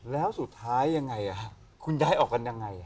แล้วสุดท้ายยังไงคุณย้ายออกกันยังไง